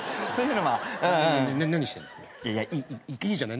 「いい」じゃない。